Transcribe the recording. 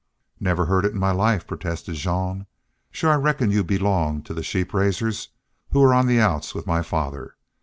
"Never heard it in my life," protested Jean. "Sure I reckoned you belonged to the sheep raisers who 're on the outs with my father.